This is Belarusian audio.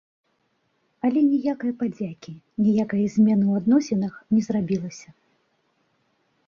Але ніякае падзякі, ніякае змены ў адносінах не зрабілася.